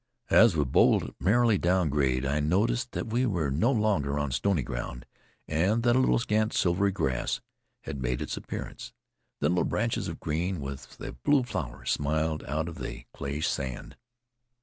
As we bowled merrily down grade I noticed that we were no longer on stony ground, and that a little scant silvery grass had made its appearance. Then little branches of green, with a blue flower, smiled out of the clayish sand.